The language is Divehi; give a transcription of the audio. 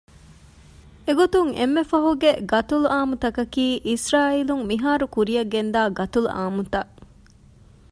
އެގޮތުން އެންމެ ފަހުގެ ގަތުލުއާންމުތަކަކީ އިސްރާއީލުން މިހާރު ކުރިޔަށްގެންދާ ގަތުލުއާންމުތައް